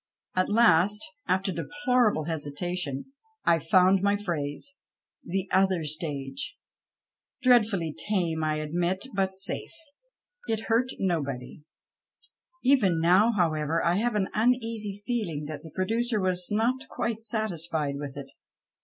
At last, after deplorable hesitation, I found my phrase — the " other " stage. Dreadfully tame, I admit, but safe : it hurt nobody. Even now, however, I have an uneasy feeling that the producer was not quite satisfied with it.